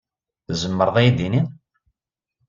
Tzemreḍ ad yi-d-tiniḍ?